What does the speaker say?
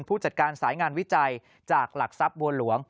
ผู้จัดการสายงานวิจัยจากหลักทรัพย์บัวหลวง